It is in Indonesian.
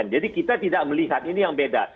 jadi kita tidak melihat ini yang beda